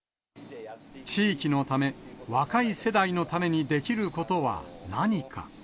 地域のため、若い世代のためにできることは何か。